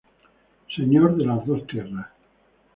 Señor de las dos tierras.